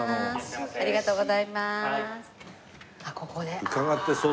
ありがとうございます。